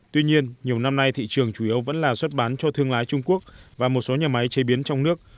tuy nhiên nhiều năm nay thị trường chủ yếu vẫn là xuất bán cho thương lái trung quốc và một số nhà máy chế biến trong nước